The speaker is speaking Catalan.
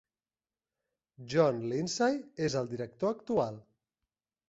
Jon Lindsay és el director actual.